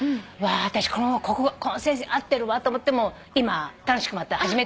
私この先生合ってるわと思って今楽しくまた始めてんのよ。